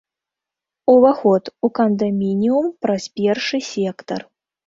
Уваход у кандамініум праз першы сектар.